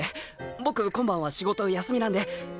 僕今晩は仕事休みなんでっ。